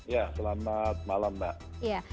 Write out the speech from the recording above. ya selamat malam mbak